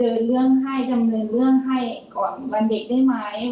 เรื่องให้ดำเนินเรื่องให้ก่อนวันเด็กได้ไหม